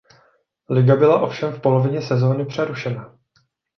Liga byla ovšem v polovině sezony přerušena.